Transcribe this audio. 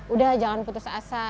udah jangan putus asa endang gitu kan